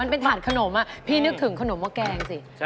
มันเป็นถาดขนมพี่นึกถึงขนมหม้อแกงสิ